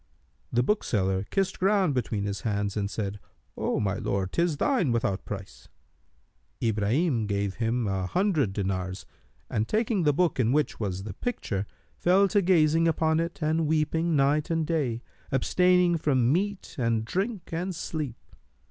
The bookseller kissed ground between his hands and said, "O my lord, 'tis thine without price.[FN#300]" Ibrahim gave him an hundred dinars and taking the book in which was the picture, fell to gazing upon it and weeping night and day, abstaining from meat and drink and sleep.